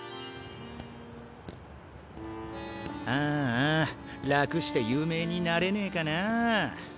ああ楽して有名になれねえかなあ。